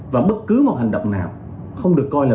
và bất cứ một hành động nào không được coi là